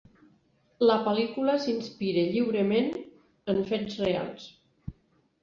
La pel·lícula s'inspira lliurement en fets reals.